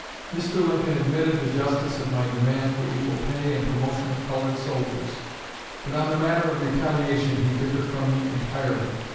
Mr. Lincoln admitted the justice of my demand for equal pay and promotion of colored soldiers, but on the matter of retaliation he differed from me entirely.